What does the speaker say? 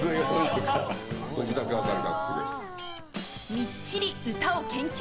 みっちり歌を研究。